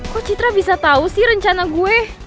kok citra bisa tahu sih rencana gue